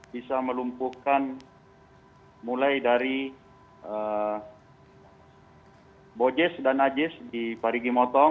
bisa melumpuhkan mulai dari bojes dan ajis di parigi motong